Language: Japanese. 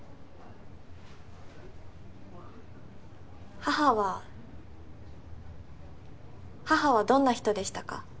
母は母はどんな人でしたか？